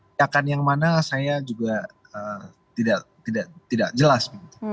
tidak akan yang mana saya juga tidak jelas